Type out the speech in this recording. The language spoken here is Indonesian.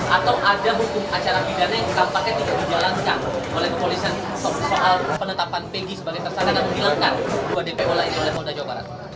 atau ada hukum acara pidana yang tampaknya tidak dijalankan oleh kepolisian soal penetapan penggi sebagai tersangka dan menghilangkan dua dpo lagi oleh polda jawa barat